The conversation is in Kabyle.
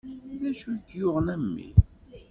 D acu i k-yuɣen a mmi?